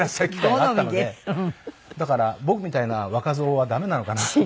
だから僕みたいな若造はダメなのかなと。